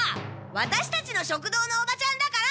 ワタシたちの食堂のおばちゃんだから！